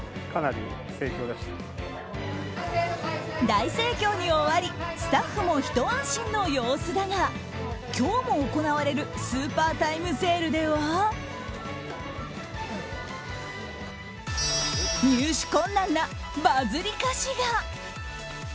大盛況に終わりスタッフもひと安心の様子だが今日も行われるスーパータイムセールでは入手困難なバズり菓子が！